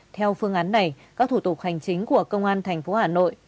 theo phương án này các thủ tục hành chính của công an thành phố hà nội